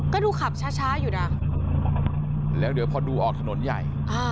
ก็ดูขับช้าอยู่นะแล้วเดี๋ยวพอดูออกถนนใหญ่